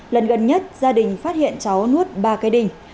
lần gần nhất gia đình phát hiện cháu nuốt ba cây đinh